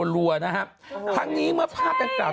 รัวนะฮะทางนี้เมื่อภาพกันต่อ